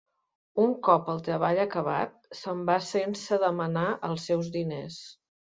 Un cop el treball acabat, se'n va sense demanar els seus diners.